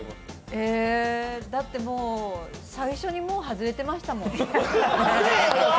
えーだって最初に外れてましたもん。